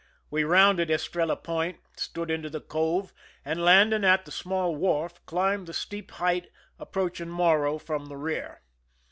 We rounded Estrella Point, stood into the cove, and, landing at the small wharf, climbed the steep height approaching Morro from the rear.